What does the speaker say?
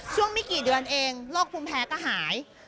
ไม่กี่เดือนเองโรคภูมิแพ้ก็หาย